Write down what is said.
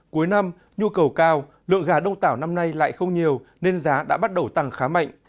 cuối năm nhu cầu cao lượng gà đông tảo năm nay lại không nhiều nên giá đã bắt đầu tăng khá mạnh